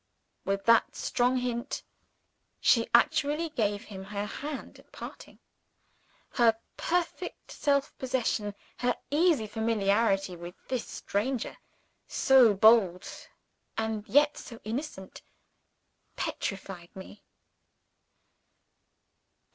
With that strong hint, she actually gave him her hand at parting. Her perfect self possession, her easy familiarity with this stranger so bold, and yet so innocent petrified me.